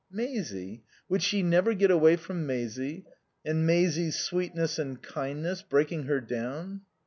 Maisie? Would she never get away from Maisie, and Maisie's sweetness and kindness, breaking her down?